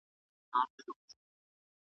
یزید به لکه خلی د زمان بادونه یوسي .